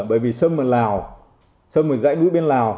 bởi vì sâm ở lào sâm ở dãy núi bên lào